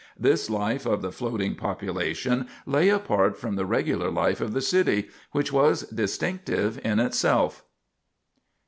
This life of the floating population lay apart from the regular life of the city, which was distinctive in itself.